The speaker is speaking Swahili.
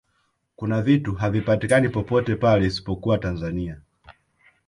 kuna vitu havipatikani popote pale isipokuwa tanzania